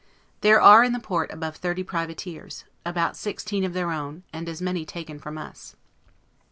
There are in the port above thirty privateers; about sixteen of their own, and about as many taken from us.